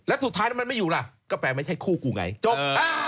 แล้วสุดท้ายแล้วมันไม่อยู่ล่ะก็แปลไม่ใช่คู่กูไงจบ